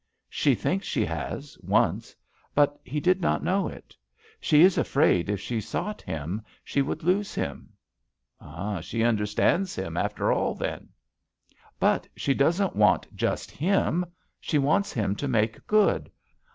"She thinks she has — once. But he did not know it. She is afraid if she sought him, she would lose him." "She understands him, after all, then." "But she doesn't want just kim. She wants him to make good.